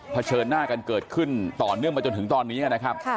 เฉินหน้ากันเกิดขึ้นต่อเนื่องมาจนถึงตอนนี้นะครับ